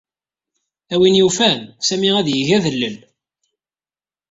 A win yufan, Sami ad yeg adellel.